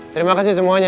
terima kasih semuanya